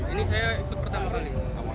ini saya pertama kali